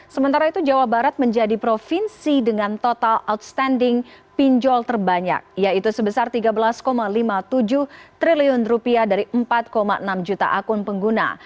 sementara itu jawa barat menjadi provinsi dengan total outstanding pinjol terbanyak yaitu sebesar rp tiga belas lima puluh tujuh triliun dari empat enam juta akun pengguna